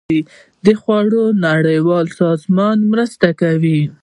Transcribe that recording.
د خوړو نړیوال سازمان مرسته کوي.